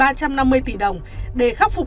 ba trăm năm mươi tỷ đồng để khắc phục